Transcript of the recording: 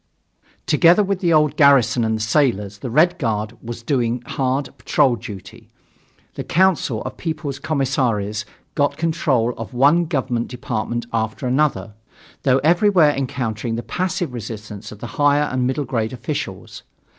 Together with the old garrison and the sailors, the Red Guard was doing hard patrol duty. The Council of People's Commissaries got control of one government department after another, though everywhere encountering the passive resistance of the higher and middle grade officials.